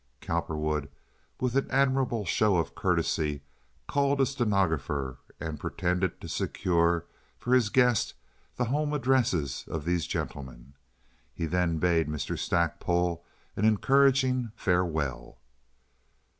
Cowperwood, with an admirable show of courtesy, called a stenographer, and pretended to secure for his guest the home addresses of these gentlemen. He then bade Mr. Stackpole an encouraging farewell.